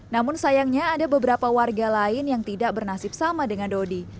namun sayangnya ada beberapa warga lain yang tidak bernasib sama dengan dodi